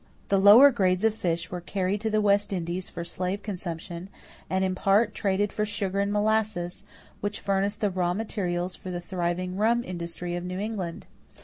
The lower grades of fish were carried to the West Indies for slave consumption, and in part traded for sugar and molasses, which furnished the raw materials for the thriving rum industry of New England.